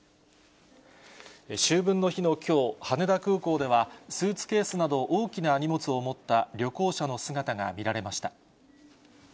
秋分の日のきょう、羽田空港ではスーツケースなど大きな荷物を持った旅行者の姿が見られました。